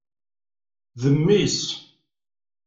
D mmi-s.